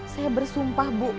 saya bersumpah bu